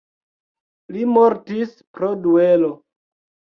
Li mortis pro duelo.